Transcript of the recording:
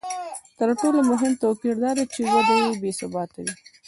تر ټولو مهم توپیر دا دی چې وده بې ثباته وي